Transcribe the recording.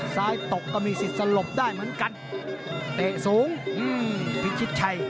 ตกก็มีสิทธิ์สลบได้เหมือนกันเตะสูงพิชิตชัย